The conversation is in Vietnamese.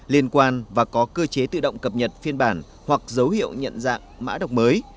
liên quan và có cơ chế tự động cập nhật phiên bản hoặc dấu hiệu nhận dạng mã độc mới